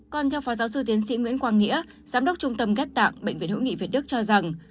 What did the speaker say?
còn theo phó giáo sư tiến sĩ nguyễn quang nghĩa giám đốc trung tâm ghép tạng bệnh viện hữu nghị việt đức cho rằng